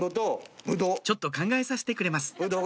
ちょっと考えさせてくれます